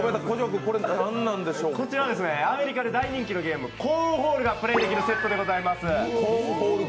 こちらはアメリカで大人気のゲーム「コーンホール」のゲームセットでございます。